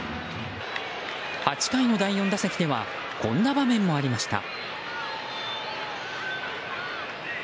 ８回の第４打席ではこんな場面もありました。